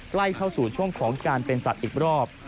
ใกล้เข้าสู่ช่วงของการเป็นสัตว์อีกรอบ